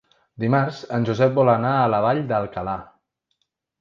Dimarts en Josep vol anar a la Vall d'Alcalà.